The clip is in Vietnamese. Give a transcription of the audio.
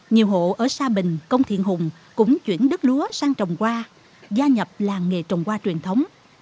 nhiều hộ ở sa bình công thiện hùng cũng chuyển đất lúa sang trồng hoa gia nhập làng nghề trồng hoa truyền thống